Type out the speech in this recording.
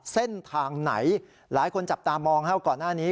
เส้นทางไหนหลายคนจับตามองก่อนหน้านี้